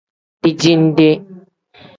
Dijinde.